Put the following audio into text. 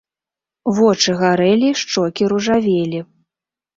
Вочы гарэлі, шчокі ружавелі.